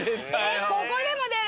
ここでも出るの？